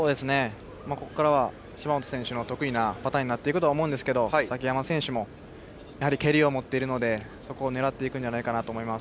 ここからは芝本選手の得意なパターンになると思いますが崎山選手も蹴りを持っているのでそこを狙っていくんじゃないかと思います。